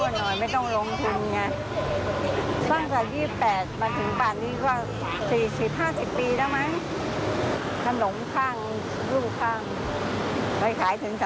อ๋อหัดเอาจริง